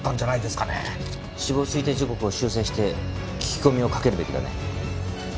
死亡推定時刻を修正して聞き込みをかけるべきだね。